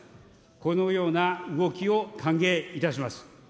このような動きを歓迎いたします。